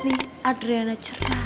nih adriana cerah ya